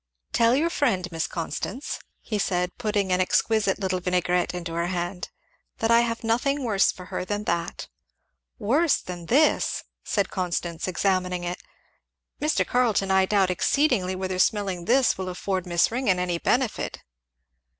"Tell your friend, Miss Constance," he said putting an exquisite little vinaigrette into her hand, "that I have nothing worse for her than that." "Worse than this!" said Constance examining it. "Mr. Carleton I doubt exceedingly whether smelling this will afford Miss Ringgan any benefit."